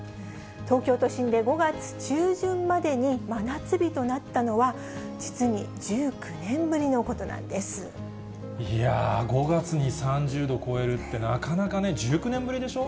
東京都心で５月中旬までに真夏日となったのは、いやー、５月に３０度超えるって、なかなかね、１９年ぶりでしょ？